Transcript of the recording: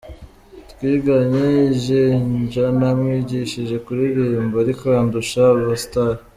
Twiganye i Jinja namwigishije kuririmba ariko andusha ubustar.